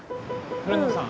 古野さん